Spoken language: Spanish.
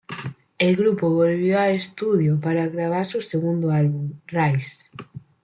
El grupo volvió a estudio para grabar su segundo álbum: "Rise".